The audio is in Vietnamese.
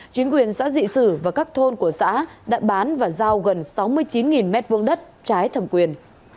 chính quyền xã dị sử và các thôn của xã đã bán và giao gần sáu mươi chín m hai đất trái thẩm quyền